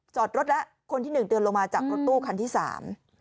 จอดรถแล้วคนที่หนึ่งเดินลงมาจากรถตู้คันที่สาม